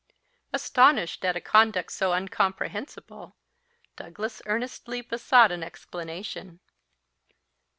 Astonished at a conduct so incomprehensible, Douglas earnestly besought an explanation.